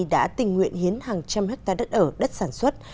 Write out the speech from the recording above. đã tình nguyện hiến hàng trăm hectare đất ở đất sản xuất